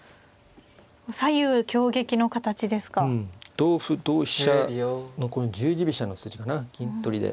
同歩同飛車のこの十字飛車の筋かな銀取りで。